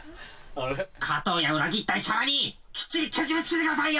加藤や裏切った石原にきっちりケジメつけてくださいよ！